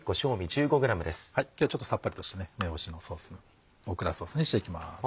今日はちょっとさっぱりとした梅干しのソースにオクラソースにしていきます。